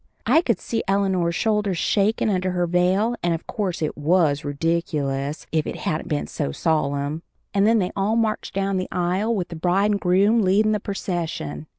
I could see Eleanor's shoulders shakin' under her veil, and of course it was ridiculous if it hadn't been so solemn. And then they all marched down the aisle, with the bride and groom leadin' the procession.